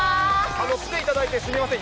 来ていただいてすみません。